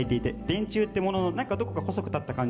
電柱ってもののどこか細く立った感じ